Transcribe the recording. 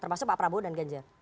termasuk pak prabowo dan ganjar